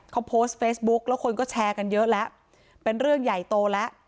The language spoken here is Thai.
เขาโพสต์เฟซบุ๊กแล้วคนก็แชร์กันเยอะแล้วเป็นเรื่องใหญ่โตแล้ว